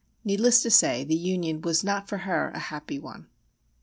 Needless to say, the union was not for her a happy one.